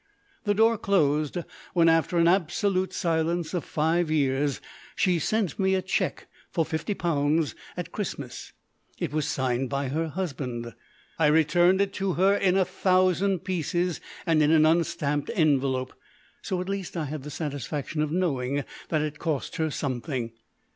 The door closed when, after an absolute silence of five years, she sent me a cheque for £50 at Christmas. It was signed by her husband! I returned it to her in a thousand pieces and in an unstamped envelope. So at least I had the satisfaction of knowing that it cost her something!